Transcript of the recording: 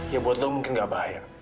ya buat lu mungkin nggak bahaya